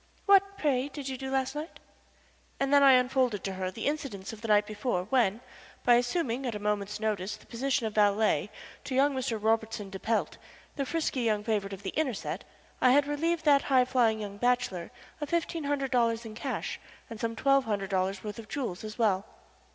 What, pray, did you do last night?" And then I unfolded to her the incidents of the night before when, by assuming at a moment's notice the position of valet to young Robertson de Pelt, the frisky young favorite of the inner set, I had relieved that high flying young bachelor of fifteen hundred dollars in cash and some twelve hundred dollars worth of jewels as well.